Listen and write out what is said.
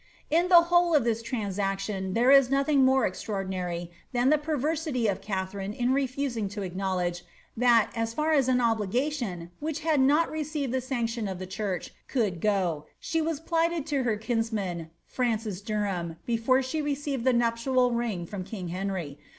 In the whole of this transaction there is nothing more extraordinary than the per\'ersity of Katharine in refusing to acknowledge, that, as far as an obligation, which had not received the sanction of the church, could go, she was plighted to her kihsraan, Francis Derham, before she received the nuptial ring from king Henry.